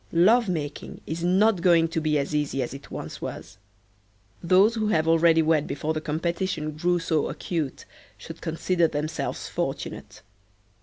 Love making is not going to be as easy as it once was. Those who have already wed before the competition grew so acute should consider themselves fortunate.